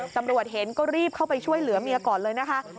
ตำรวจเห็นก็รีบเข้าไปช่วยเหลือเมียก่อนเลยนะคะ